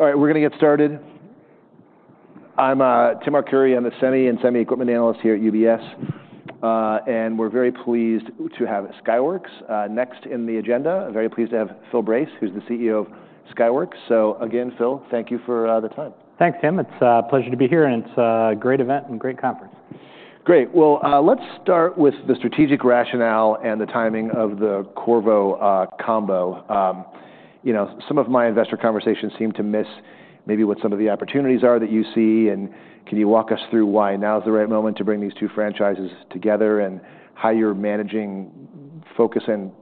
All right, we're going to get started. I'm Timothy Arcuri. I'm the Semi and Semi Equipment Analyst here at UBS, and we're very pleased to have Skyworks next in the agenda. Very pleased to have Phil Brace, who's the CEO of Skyworks. So again, Phil, thank you for the time. Thanks, Tim. It's a pleasure to be here, and it's a great event and great conference. Great. Well, let's start with the strategic rationale and the timing of the Qorvo combo. Some of my investor conversations seem to miss maybe what some of the opportunities are that you see. And can you walk us through why now is the right moment to bring these two franchises together and how you're managing focus and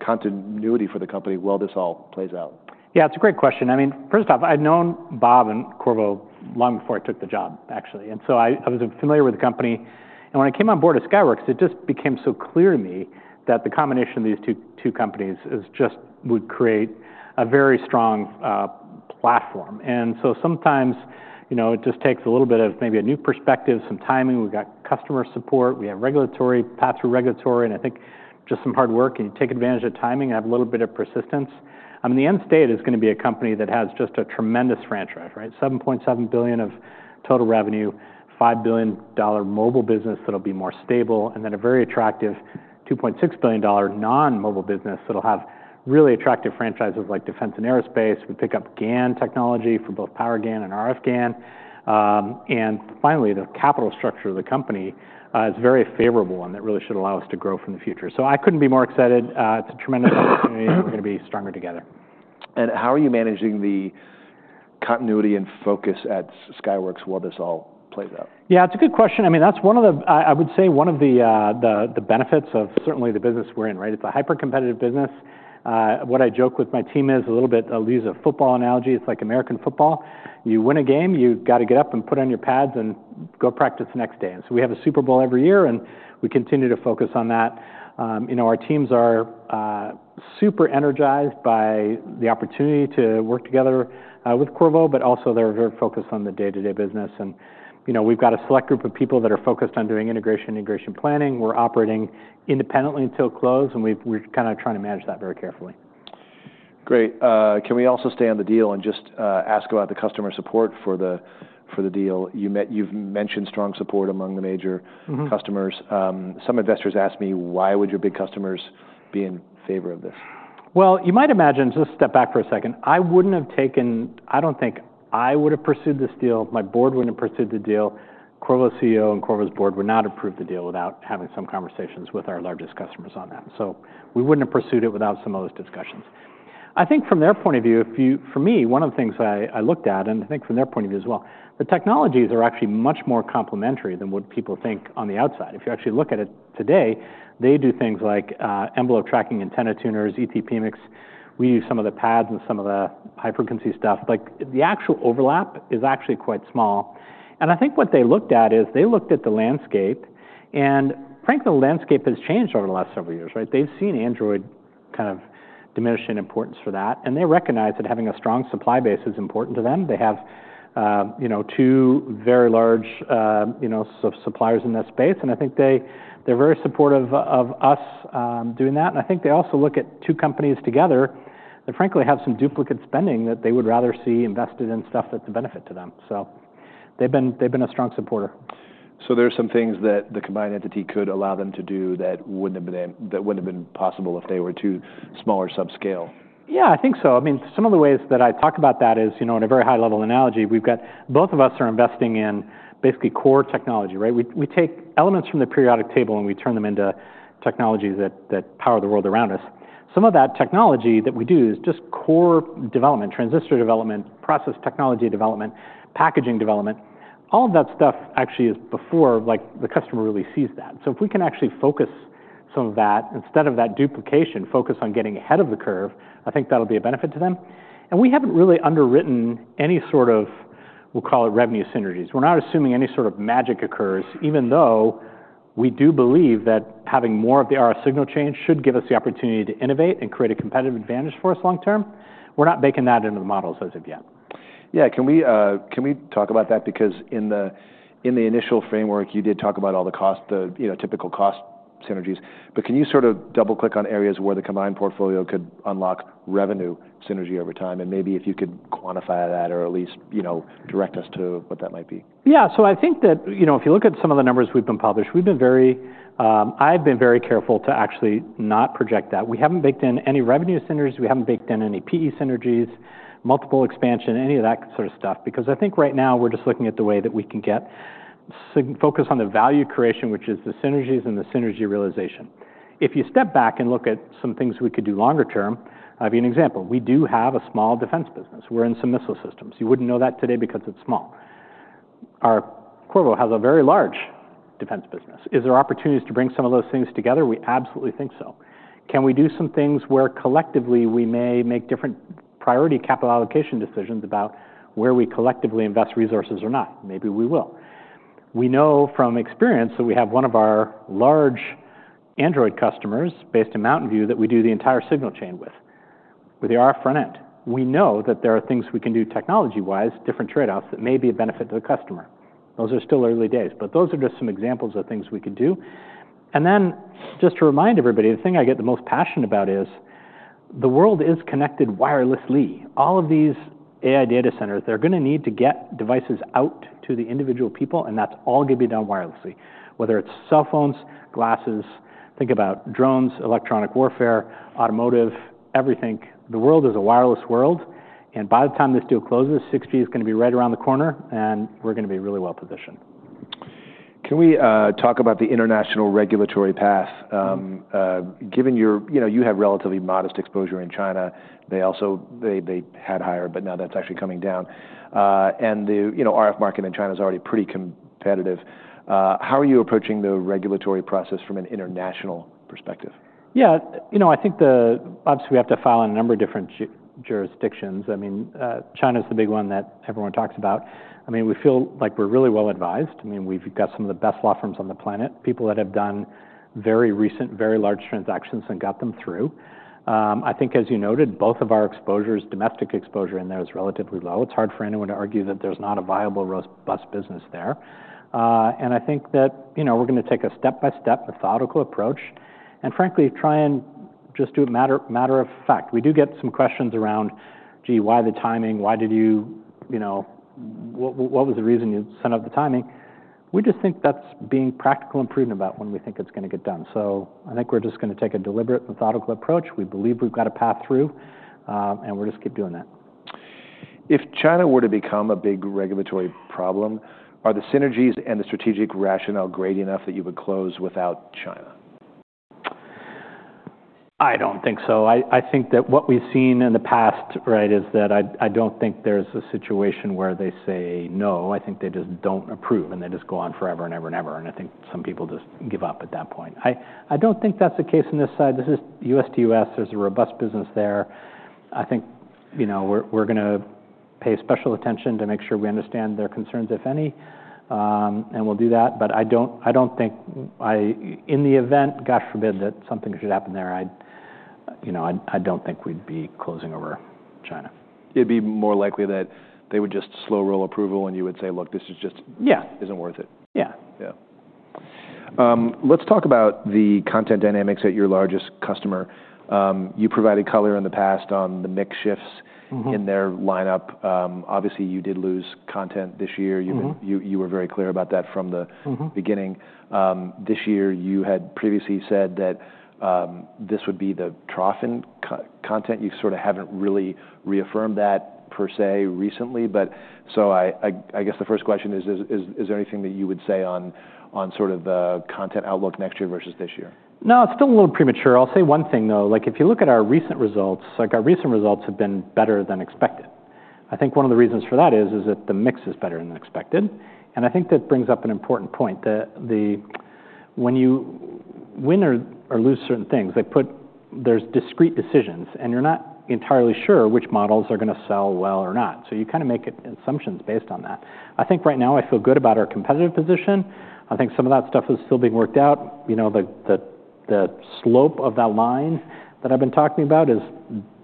continuity for the company while this all plays out? Yeah, it's a great question. I mean, first off, I had known Bob and Qorvo long before I took the job, actually. And so I was familiar with the company. And when I came on board at Skyworks, it just became so clear to me that the combination of these two companies would create a very strong platform. And so sometimes it just takes a little bit of maybe a new perspective, some timing. We've got customer support. We have regulatory, pass-through regulatory, and I think just some hard work. And you take advantage of timing and have a little bit of persistence. I mean, the end state is going to be a company that has just a tremendous franchise, right? $7.7 billion of total revenue, $5 billion mobile business that'll be more stable, and then a very attractive $2.6 billion non-mobile business that'll have really attractive franchises like defense and aerospace. We pick up GaN technology for both Power GaN and RF GaN. And finally, the capital structure of the company is very favorable and that really should allow us to grow from the future. So I couldn't be more excited. It's a tremendous opportunity. We're going to be stronger together. And how are you managing the continuity and focus at Skyworks while this all plays out? Yeah, it's a good question. I mean, that's one of the, I would say one of the benefits of certainly the business we're in, right? It's a hyper-competitive business. What I joke with my team is a little bit, I'll use a football analogy. It's like American football. You win a game, you got to get up and put on your pads and go practice the next day. And so we have a Super Bowl every year, and we continue to focus on that. Our teams are super energized by the opportunity to work together with Qorvo, but also they're very focused on the day-to-day business. And we've got a select group of people that are focused on doing integration, integration planning. We're operating independently until close, and we're kind of trying to manage that very carefully. Great. Can we also stay on the deal and just ask about the customer support for the deal? You've mentioned strong support among the major customers. Some investors ask me, why would your big customers be in favor of this? You might imagine, just step back for a second. I wouldn't have taken, I don't think I would have pursued this deal. My board wouldn't have pursued the deal. Qorvo's CEO and Qorvo's board would not approve the deal without having some conversations with our largest customers on that. So we wouldn't have pursued it without some of those discussions. I think from their point of view, for me, one of the things I looked at, and I think from their point of view as well, the technologies are actually much more complementary than what people think on the outside. If you actually look at it today, they do things like envelope tracking and antenna tuners, ET PMICs. We use some of the PA's and some of the high-frequency stuff. The actual overlap is actually quite small. And I think what they looked at is they looked at the landscape, and frankly, the landscape has changed over the last several years, right? They've seen Android kind of diminish in importance for that, and they recognize that having a strong supply base is important to them. They have two very large suppliers in that space, and I think they're very supportive of us doing that. And I think they also look at two companies together that frankly have some duplicate spending that they would rather see invested in stuff that's a benefit to them. So they've been a strong supporter. There are some things that the combined entity could allow them to do that wouldn't have been possible if they were too small or subscale. Yeah, I think so. I mean, some of the ways that I talk about that is in a very high-level analogy. Both of us are investing in basically core technology, right? We take elements from the periodic table and we turn them into technologies that power the world around us. Some of that technology that we do is just core development, transistor development, process technology development, packaging development. All of that stuff actually is before the customer really sees that. So if we can actually focus some of that instead of that duplication, focus on getting ahead of the curve, I think that'll be a benefit to them. And we haven't really underwritten any sort of, we'll call it revenue synergies. We're not assuming any sort of magic occurs, even though we do believe that having more of the RF signal chain should give us the opportunity to innovate and create a competitive advantage for us long-term. We're not baking that into the models as of yet. Yeah, can we talk about that? Because in the initial framework, you did talk about all the typical cost synergies. But can you sort of double-click on areas where the combined portfolio could unlock revenue synergy over time? And maybe if you could quantify that or at least direct us to what that might be? Yeah, so I think that if you look at some of the numbers we've published, I've been very careful to actually not project that. We haven't baked in any revenue synergies. We haven't baked in any PE synergies, multiple expansion, any of that sort of stuff. Because I think right now we're just looking at the way that we can get focus on the value creation, which is the synergies and the synergy realization. If you step back and look at some things we could do longer term, I'll give you an example. We do have a small defense business. We're in some missile systems. You wouldn't know that today because it's small. Our Qorvo has a very large defense business. Is there opportunities to bring some of those things together? We absolutely think so. Can we do some things where collectively we may make different priority capital allocation decisions about where we collectively invest resources or not? Maybe we will. We know from experience that we have one of our large Android customers based in Mountain View that we do the entire Signal Chain with, with the RF front - end. We know that there are things we can do technology-wise, different trade-offs that may be a benefit to the customer. Those are still early days, but those are just some examples of things we could do, and then just to remind everybody, the thing I get the most passionate about is the world is connected wirelessly. All of these AI data centers, they're going to need to get devices out to the individual people, and that's all going to be done wirelessly, whether it's cell phones, glasses, think about drones, electronic warfare, automotive, everything. The world is a wireless world, and by the time this deal closes, 6G is going to be right around the corner, and we're going to be really well positioned. Can we talk about the international regulatory path? Given you have relatively modest exposure in China, they had higher, but now that's actually coming down. And the RF market in China is already pretty competitive. How are you approaching the regulatory process from an international perspective? Yeah, you know I think obviously we have to file in a number of different jurisdictions. I mean, China is the big one that everyone talks about. I mean, we feel like we're really well advised. I mean, we've got some of the best law firms on the planet, people that have done very recent, very large transactions and got them through. I think, as you noted, both of our exposures, domestic exposure in there is relatively low. It's hard for anyone to argue that there's not a viable robust business there. And I think that we're going to take a step-by-step methodical approach and frankly try and just do it matter of fact. We do get some questions around, gee, why the timing? What was the reason you sent out the timing? We just think that's being practical and prudent about when we think it's going to get done. So I think we're just going to take a deliberate methodical approach. We believe we've got a path through, and we'll just keep doing that. If China were to become a big regulatory problem, are the synergies and the strategic rationale great enough that you would close without China? I don't think so. I think that what we've seen in the past is that I don't think there's a situation where they say no. I think they just don't approve, and they just go on forever and ever and ever. And I think some people just give up at that point. I don't think that's the case on this side. This is U.S. to U.S. There's a robust business there. I think we're going to pay special attention to make sure we understand their concerns, if any, and we'll do that. But I don't think, in the event, God forbid, that something should happen there, I don't think we'd be closing over China. It'd be more likely that they would just slow roll approval and you would say, "Look, this is just, yeah, isn't worth it. Yeah. Yeah. Let's talk about the content dynamics at your largest customer. You provided color in the past on the mix shifts in their lineup. Obviously, you did lose content this year. You were very clear about that from the beginning. This year, you had previously said that this would be the trough in content. You sort of haven't really reaffirmed that per se recently. So I guess the first question is, is there anything that you would say on sort of the content outlook next year versus this year? No, it's still a little premature. I'll say one thing, though. If you look at our recent results, our recent results have been better than expected. I think one of the reasons for that is that the mix is better than expected. And I think that brings up an important point that when you win or lose certain things, there's discrete decisions, and you're not entirely sure which models are going to sell well or not. So you kind of make assumptions based on that. I think right now I feel good about our competitive position. I think some of that stuff is still being worked out. The slope of that line that I've been talking about has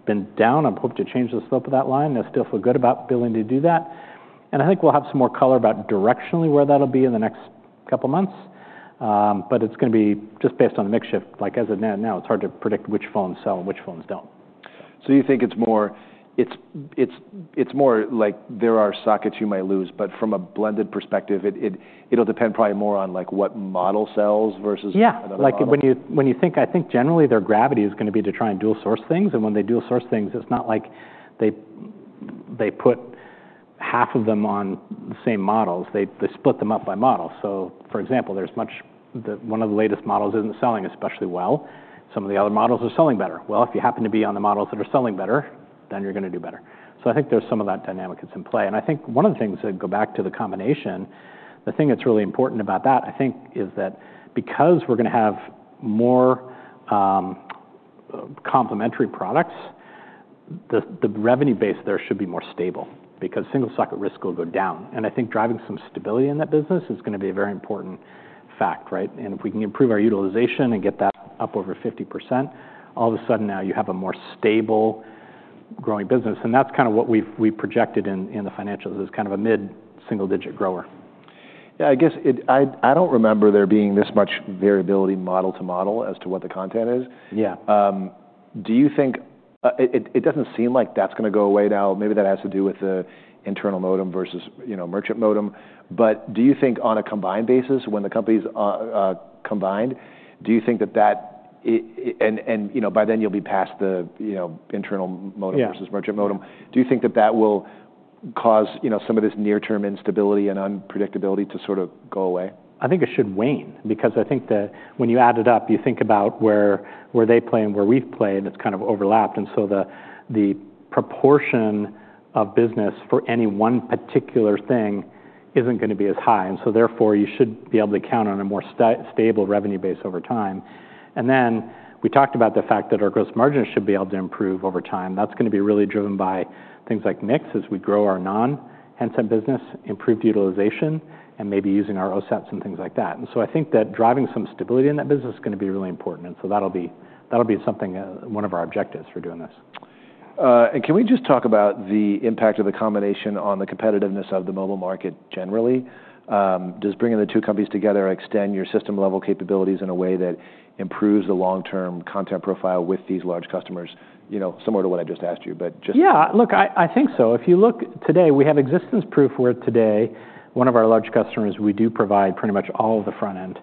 been down. I'm hoping to change the slope of that line. I still feel good about ability to do that. And I think we'll have some more color about directionally where that'll be in the next couple of months. But it's going to be just based on the mix shift. Like as of now, it's hard to predict which phones sell and which phones don't. So you think it's more like there are sockets you might lose, but from a blended perspective, it'll depend probably more on what model sells versus another model? Yeah. When you think, I think generally their strategy is going to be to try and dual-source things, and when they dual-source things, it's not like they put half of them on the same models. They split them up by model, so for example, one of the latest models isn't selling especially well. Some of the other models are selling better, well, if you happen to be on the models that are selling better, then you're going to do better. So I think there's some of that dynamic that's in play, and I think one of the things that go back to the combination, the thing that's really important about that, I think, is that because we're going to have more complementary products, the revenue base there should be more stable because single source risk will go down. I think driving some stability in that business is going to be a very important factor, right? And if we can improve our utilization and get that up over 50%, all of a sudden now you have a more stable, growing business. And that's kind of what we've projected in the financials is kind of a mid-single-digit grower. Yeah, I guess I don't remember there being this much variability model to model as to what the content is. Yeah. Do you think it doesn't seem like that's going to go away now? Maybe that has to do with the internal modem versus merchant modem. But do you think on a combined basis, when the companies are combined, do you think that that, and by then you'll be past the internal modem versus merchant modem, do you think that that will cause some of this near-term instability and unpredictability to sort of go away? I think it should wane, because I think that when you add it up, you think about where they play and where we've played, it's kind of overlapped. And so the proportion of business for any one particular thing isn't going to be as high. And so therefore you should be able to count on a more stable revenue base over time. And then we talked about the fact that our gross margins should be able to improve over time. That's going to be really driven by things like mix as we grow our non-handset business, improved utilization, and maybe using our OSATs and things like that. And so I think that driving some stability in that business is going to be really important. And so that'll be something, one of our objectives for doing this. And can we just talk about the impact of the combination on the competitiveness of the mobile market generally? Does bringing the two companies together extend your system-level capabilities in a way that improves the long-term content profile with these large customers? Similar to what I just asked you, but just. Yeah, look, I think so. If you look today, we have existence proof where today, one of our large customers, we do provide pretty much all of the front end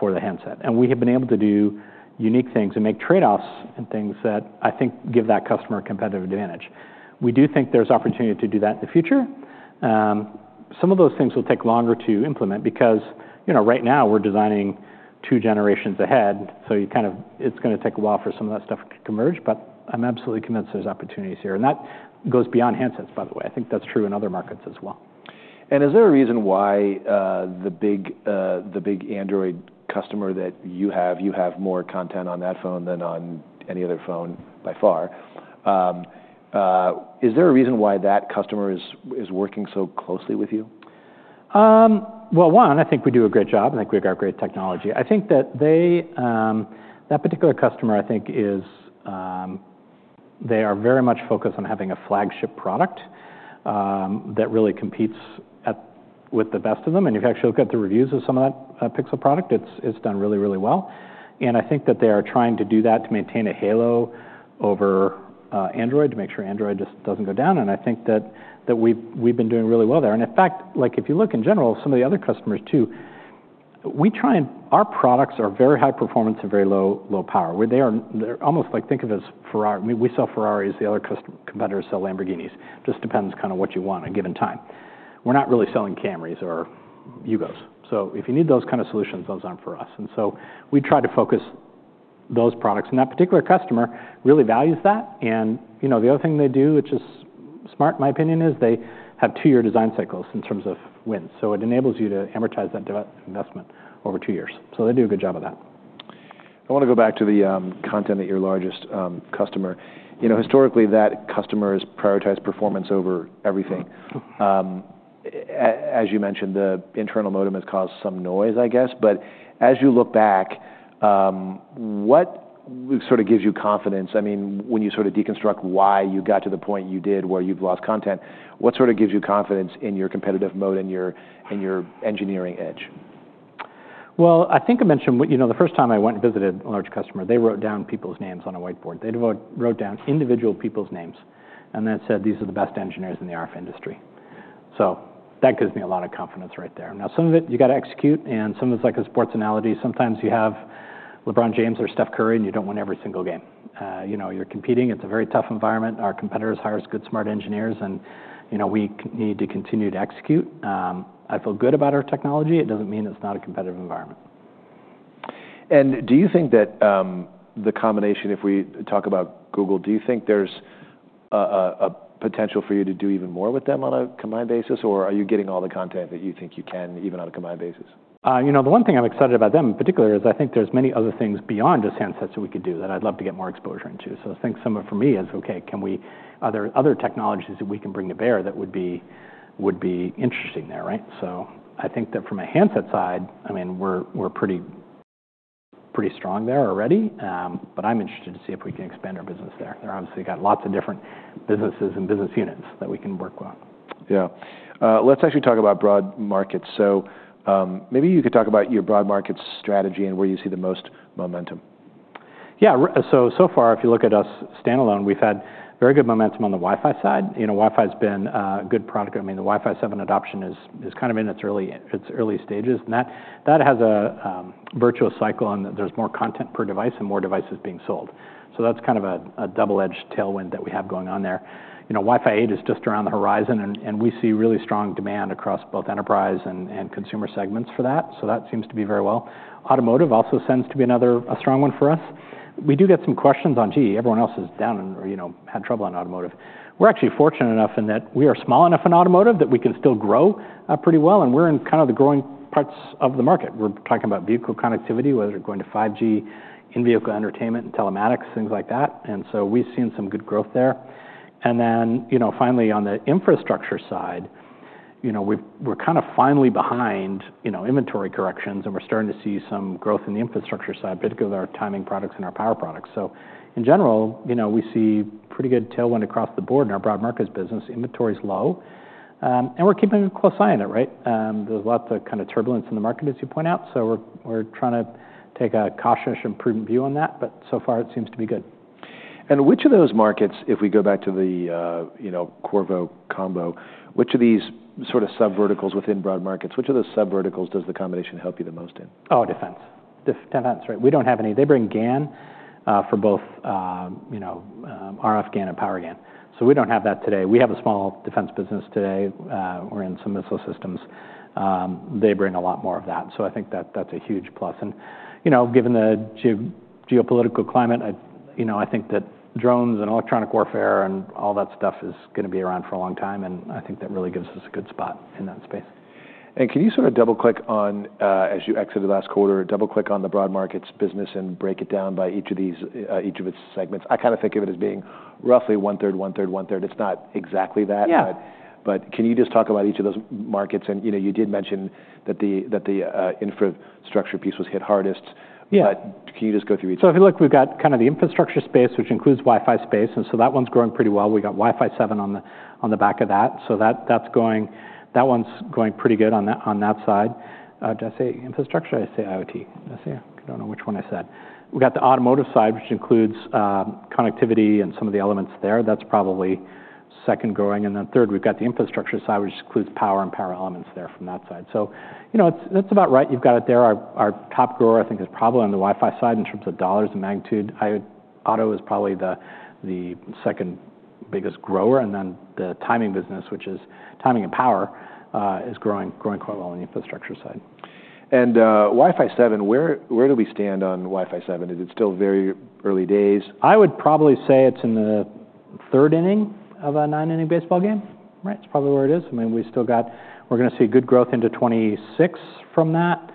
for the handset, and we have been able to do unique things and make trade-offs and things that I think give that customer a competitive advantage. We do think there's opportunity to do that in the future. Some of those things will take longer to implement because right now we're designing two generations ahead, so it's going to take a while for some of that stuff to converge, but I'm absolutely convinced there's opportunities here, and that goes beyond handsets, by the way. I think that's true in other markets as well. And is there a reason why the big Android customer that you have, you have more content on that phone than on any other phone by far? Is there a reason why that customer is working so closely with you? Well, one, I think we do a great job. I think we've got great technology. I think that that particular customer, I think they are very much focused on having a flagship product that really competes with the best of them. And if you actually look at the reviews of some of that Pixel product, it's done really, really well. And I think that they are trying to do that to maintain a halo over Android to make sure Android just doesn't go down. And I think that we've been doing really well there. And in fact, if you look in general, some of the other customers too, our products are very high performance and very low power, where they are almost like, think of it as Ferrari. We sell Ferraris. The other competitors sell Lamborghinis. Just depends kind of what you want at a given time. We're not really selling Camrys or Yugos. So if you need those kind of solutions, those aren't for us. And so we try to focus those products. And that particular customer really values that. And the other thing they do, which is smart, in my opinion, is they have two-year design cycles in terms of win. So it enables you to amortize that investment over two years. So they do a good job of that. I want to go back to the content that your largest customer. Historically, that customer has prioritized performance over everything. As you mentioned, the internal modem has caused some noise, I guess. But as you look back, what sort of gives you confidence? I mean, when you sort of deconstruct why you got to the point you did where you've lost content, what sort of gives you confidence in your competitive moat and your engineering edge? I think I mentioned the first time I went and visited a large customer, they wrote down people's names on a whiteboard. They wrote down individual people's names and then said, "These are the best engineers in the RF industry." So that gives me a lot of confidence right there. Now, some of it you got to execute, and some of it's like a sports analogy. Sometimes you have LeBron James or Steph Curry, and you don't win every single game. You're competing. It's a very tough environment. Our competitors hire as good, smart engineers, and we need to continue to execute. I feel good about our technology. It doesn't mean it's not a competitive environment. Do you think that the combination, if we talk about Google, do you think there's a potential for you to do even more with them on a combined basis, or are you getting all the content that you think you can even on a combined basis? You know, the one thing I'm excited about them in particular is I think there's many other things beyond just handsets that we could do that I'd love to get more exposure into. So I think some of it for me is, okay, are there other technologies that we can bring to bear that would be interesting there, right? So I think that from a handset side, I mean, we're pretty strong there already, but I'm interested to see if we can expand our business there. They're obviously got lots of different businesses and business units that we can work on. Yeah. Let's actually talk about Broad Markets. So maybe you could talk about your Broad Markets strategy and where you see the most momentum? Yeah. So far, if you look at us standalone, we've had very good momentum on the Wi-Fi side. Wi-Fi has been a good product. I mean, the Wi-Fi 7 adoption is kind of in its early stages. That has a virtuous cycle and there's more content per device and more devices being sold. So that's kind of a double-edged tailwind that we have going on there. Wi-Fi 8 is just around the horizon, and we see really strong demand across both enterprise and consumer segments for that. So that seems to be very well. Automotive also tends to be another strong one for us. We do get some questions on, gee, everyone else has had trouble in automotive. We're actually fortunate enough in that we are small enough in automotive that we can still grow pretty well, and we're in kind of the growing parts of the market. We're talking about vehicle connectivity, whether it's going to 5G, in-vehicle entertainment, and telematics, things like that, and so we've seen some good growth there, and then finally, on the infrastructure side, we're kind of finally behind inventory corrections, and we're starting to see some growth in the infrastructure side, particularly our timing products and our power products, so in general, we see pretty good tailwind across the board in our Broad Markets business. Inventory is low, and we're keeping a close eye on it, right? There's a lot of kind of turbulence in the market, as you point out, so we're trying to take a cautious and prudent view on that, but so far it seems to be good. And which of those markets, if we go back to the Qorvo combo, which of these sort of sub-verticals within broad markets, which of those sub-verticals does the combination help you the most in? Oh, defense. Defense, right? We don't have any. They bring GaN for both RF GaN and Power GaN. So we don't have that today. We have a small defense business today. We're in some missile systems. They bring a lot more of that. So I think that that's a huge plus. And given the geopolitical climate, I think that drones and electronic warfare and all that stuff is going to be around for a long time. And I think that really gives us a good spot in that space. And can you sort of double-click on, as you exited last quarter, double-click on the Broad Markets business and break it down by each of its segments? I kind of think of it as being roughly one-third, one-third, one-third. It's not exactly that. But can you just talk about each of those markets? And you did mention that the infrastructure piece was hit hardest. Can you just go through each? So if you look, we've got kind of the infrastructure space, which includes Wi-Fi space. And so that one's growing pretty well. We got Wi-Fi 7 on the back of that. So that one's going pretty good on that side. Did I say infrastructure? I say IoT. I don't know which one I said. We've got the automotive side, which includes connectivity and some of the elements there. That's probably second growing. And then third, we've got the infrastructure side, which includes power and power elements there from that side. So that's about right. You've got it there. Our top grower, I think, is probably on the Wi-Fi side in terms of dollars and magnitude. Auto is probably the second biggest grower. And then the timing business, which is timing and power, is growing quite well on the infrastructure side. Wi-Fi 7, where do we stand on Wi-Fi 7? Is it still very early days? I would probably say it's in the third inning of a nine-inning baseball game, right? It's probably where it is. I mean, we're going to see good growth into 2026 from that,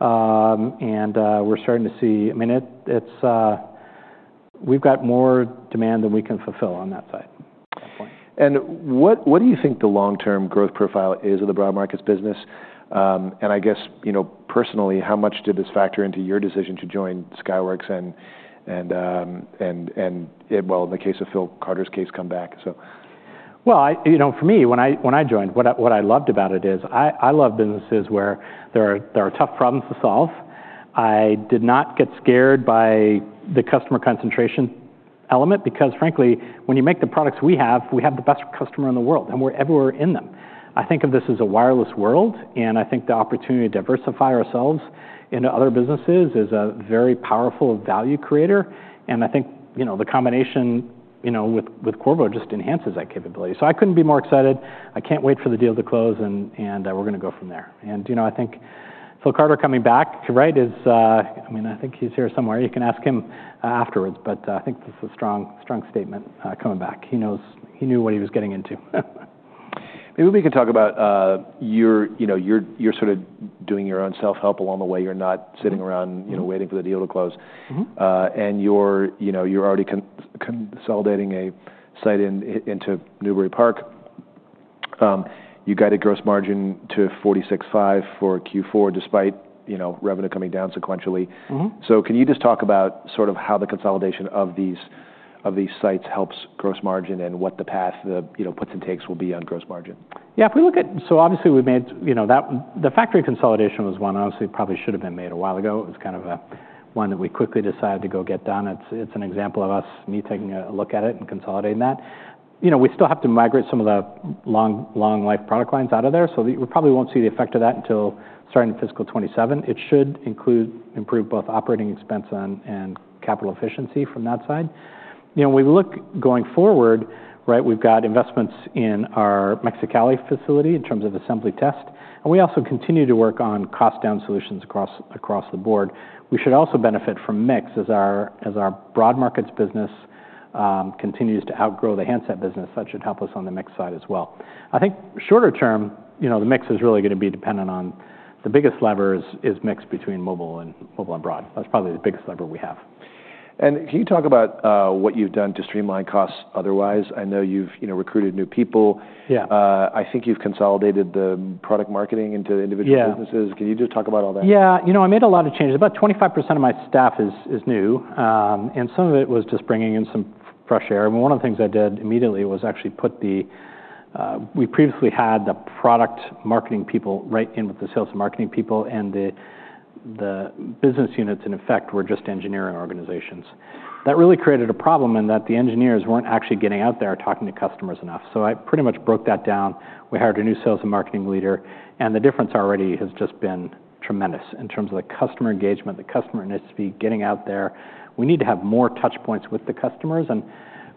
and we're starting to see, I mean, we've got more demand than we can fulfill on that side. And what do you think the long-term growth profile is of the Broad Markets business? And I guess, personally, how much did this factor into your decision to join Skyworks and, well, in the case of Phil Carter's case, come back? For me, when I joined, what I loved about it is I love businesses where there are tough problems to solve. I did not get scared by the customer concentration element because, frankly, when you make the products we have, we have the best customer in the world, and we're everywhere in them. I think of this as a wireless world, and I think the opportunity to diversify ourselves into other businesses is a very powerful value creator. And I think the combination with Qorvo just enhances that capability. So I couldn't be more excited. I can't wait for the deal to close, and we're going to go from there. And I think Phil Carter coming back, right? I mean, I think he's here somewhere. You can ask him afterwards, but I think this is a strong statement coming back. He knew what he was getting into. Maybe we could talk about you're sort of doing your own self-help along the way. You're not sitting around waiting for the deal to close. And you're already consolidating a site into Newbury Park. You guided gross margin to 46.5% for Q4 despite revenue coming down sequentially. So can you just talk about sort of how the consolidation of these sites helps gross margin and what the path the puts and takes will be on gross margin? Yeah. So obviously, the factory consolidation was one I honestly probably should have been made a while ago. It was kind of one that we quickly decided to go get done. It's an example of us taking a look at it and consolidating that. We still have to migrate some of the long-life product lines out of there. So we probably won't see the effect of that until starting fiscal 2027. It should improve both operating expense and capital efficiency from that side. When we look going forward, we've got investments in our Mexicali facility in terms of assembly test. And we also continue to work on cost-down solutions across the board. We should also benefit from mix as our broad markets business continues to outgrow the handset business. That should help us on the mix side as well. I think, shorter term, the mix is really going to be dependent on the biggest lever, the mix between mobile and broad. That's probably the biggest lever we have. And can you talk about what you've done to streamline costs otherwise? I know you've recruited new people. I think you've consolidated the product marketing into individual businesses. Can you just talk about all that? Yeah. You know, I made a lot of changes. About 25% of my staff is new, and some of it was just bringing in some fresh air. And one of the things I did immediately was actually put the product marketing people right in with the business units. We previously had the product marketing people right in with the sales and marketing people, and the business units in effect were just engineering organizations. That really created a problem in that the engineers weren't actually getting out there talking to customers enough. So I pretty much broke that down. We hired a new sales and marketing leader, and the difference already has just been tremendous in terms of the customer engagement. The customer needs to be getting out there. We need to have more touch points with the customers.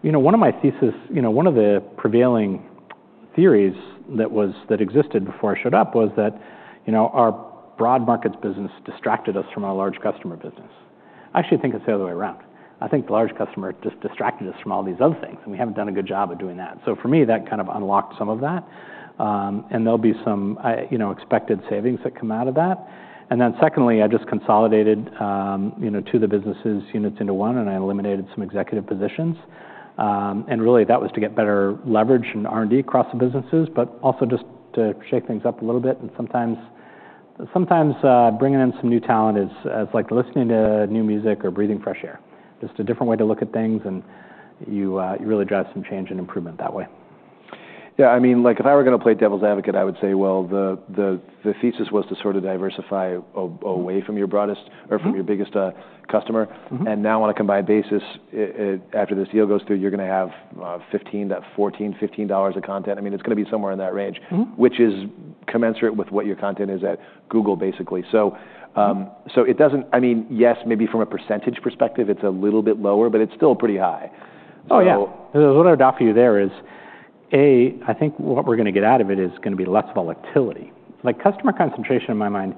One of my theses, one of the prevailing theories that existed before I showed up was that our Broad Markets business distracted us from our large customer business. I actually think it's the other way around. I think the large customer just distracted us from all these other things, and we haven't done a good job of doing that. So for me, that kind of unlocked some of that, and there'll be some expected savings that come out of that. And then secondly, I just consolidated two of the business units into one, and I eliminated some executive positions. And really, that was to get better leverage and R&D across the businesses, but also just to shake things up a little bit. And sometimes bringing in some new talent is like listening to new music or breathing fresh air. Just a different way to look at things, and you really drive some change and improvement that way. Yeah. I mean, if I were going to play devil's advocate, I would say, well, the thesis was to sort of diversify away from your biggest customer. And now on a combined basis, after this deal goes through, you're going to have $14-$15 of content. I mean, it's going to be somewhere in that range, which is commensurate with what your content is at Google, basically. So it doesn't, I mean, yes, maybe from a percentage perspective, it's a little bit lower, but it's still pretty high. Oh, yeah. What I would offer you there is, A, I think what we're going to get out of it is going to be less volatility. Customer concentration in my mind,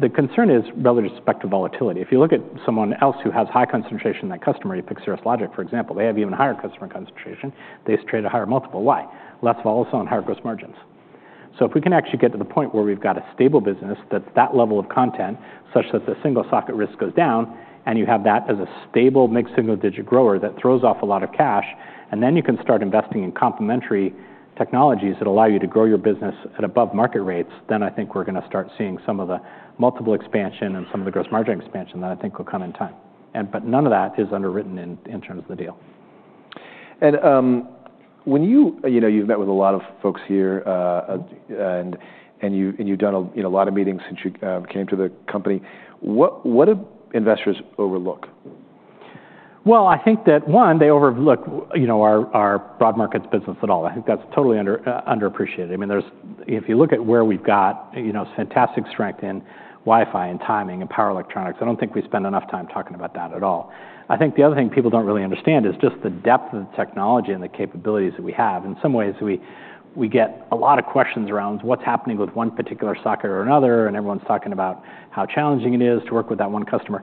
the concern is rather with respect to volatility. If you look at someone else who has high concentration in that customer, you pick Cirrus Logic, for example, they have even higher customer concentration. They trade a higher multiple. Why? Less volatile and higher gross margins. So if we can actually get to the point where we've got a stable business, that level of content, such that the single socket risk goes down, and you have that as a stable mixed single-digit grower that throws off a lot of cash, and then you can start investing in complementary technologies that allow you to grow your business at above market rates, then I think we're going to start seeing some of the multiple expansion and some of the gross margin expansion that I think will come in time. But none of that is underwritten in terms of the deal. And you've met with a lot of folks here, and you've done a lot of meetings since you came to the company. What do investors overlook? I think that, one, they overlook our Broad Markets business at all. I mean, if you look at where we've got fantastic strength in Wi-Fi and timing and power electronics, I don't think we spend enough time talking about that at all. I think the other thing people don't really understand is just the depth of the technology and the capabilities that we have. In some ways, we get a lot of questions around what's happening with one particular socket or another, and everyone's talking about how challenging it is to work with that one customer.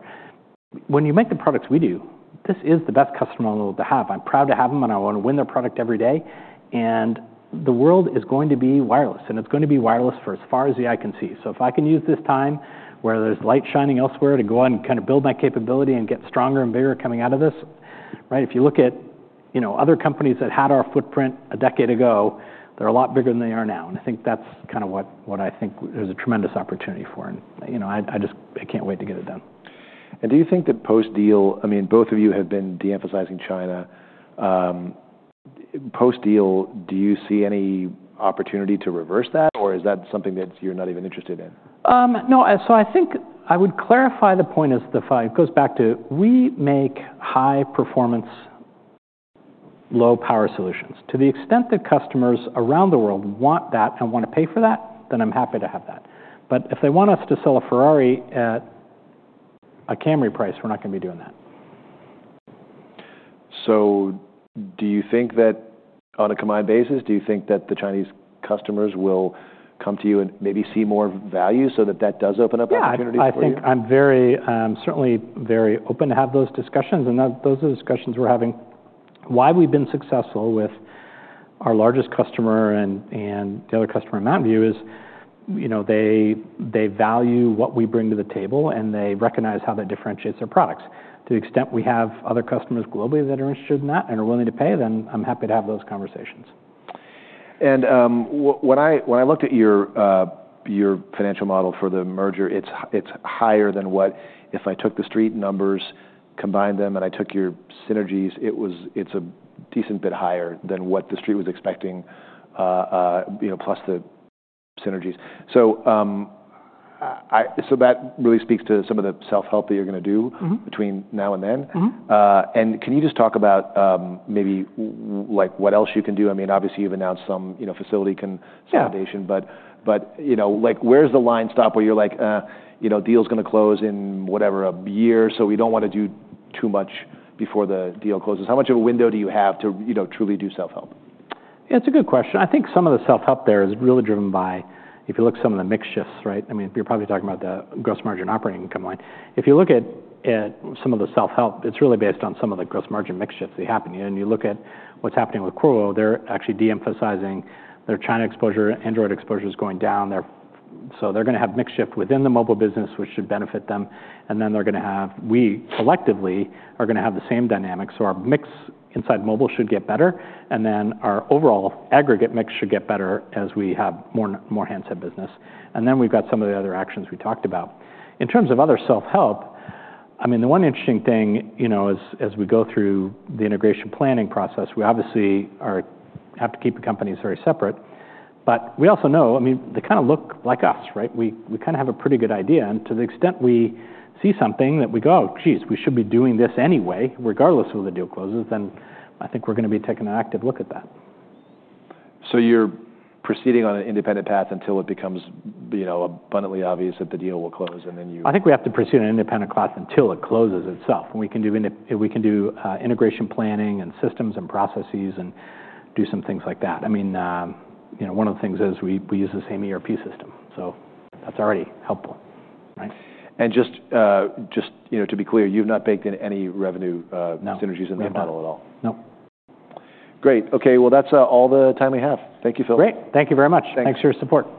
When you make the products we do, this is the best customer model to have. I'm proud to have them, and I want to win their product every day. The world is going to be wireless, and it's going to be wireless for as far as the eye can see. If I can use this time where there's light shining elsewhere to go out and kind of build my capability and get stronger and bigger coming out of this, right? If you look at other companies that had our footprint a decade ago, they're a lot bigger than they are now. I think that's kind of what I think there's a tremendous opportunity for. I can't wait to get it done. Do you think that post-deal, I mean, both of you have been de-emphasizing China? Post-deal, do you see any opportunity to reverse that, or is that something that you're not even interested in? No. So I think I would clarify the point as it goes back to we make high-performance, low-power solutions. To the extent that customers around the world want that and want to pay for that, then I'm happy to have that. But if they want us to sell a Ferrari at a Camry price, we're not going to be doing that. So do you think that on a combined basis, do you think that the Chinese customers will come to you and maybe see more value so that that does open up opportunities for you? Yeah. I think I'm certainly very open to have those discussions. And those are discussions we're having. Why we've been successful with our largest customer and the other customer in Mountain View is they value what we bring to the table, and they recognize how that differentiates their products. To the extent we have other customers globally that are interested in that and are willing to pay, then I'm happy to have those conversations. And when I looked at your financial model for the merger, it's higher than what if I took the Street numbers, combined them, and I took your synergies. It's a decent bit higher than what the Street was expecting, plus the synergies. So that really speaks to some of the self-help that you're going to do between now and then. And can you just talk about maybe what else you can do? I mean, obviously, you've announced some facility consolidation, but where's the line stop where you're like, "Deal's going to close in whatever a year, so we don't want to do too much before the deal closes"? How much of a window do you have to truly do self-help? Yeah. It's a good question. I think some of the self-help there is really driven by if you look at some of the mix shifts, right? I mean, you're probably talking about the gross margin operating income line. If you look at some of the self-help, it's really based on some of the gross margin mix shifts that happen. And you look at what's happening with Qorvo, they're actually de-emphasizing their China exposure. Android exposure is going down. So they're going to have mix shift within the mobile business, which should benefit them. And then they're going to have we collectively are going to have the same dynamic. So our mix inside mobile should get better, and then our overall aggregate mix should get better as we have more handset business. And then we've got some of the other actions we talked about. In terms of other self-help, I mean, the one interesting thing as we go through the integration planning process, we obviously have to keep the companies very separate, but we also know, I mean, they kind of look like us, right? We kind of have a pretty good idea. And to the extent we see something that we go, "Oh, geez, we should be doing this anyway, regardless of the deal closes," then I think we're going to be taking an active look at that. So you're proceeding on an independent path until it becomes abundantly obvious that the deal will close, and then you. I think we have to pursue an independent path until it closes itself, and we can do integration planning and systems and processes and do some things like that. I mean, one of the things is we use the same ERP system, so that's already helpful, right? And just to be clear, you've not baked in any revenue synergies in that model at all? No. Great. Okay. Well, that's all the time we have. Thank you, Phil. Great. Thank you very much. Thanks for your support.